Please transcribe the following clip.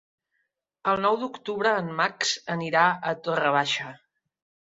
El nou d'octubre en Max anirà a Torre Baixa.